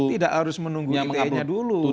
tidak harus menunggu its nya dulu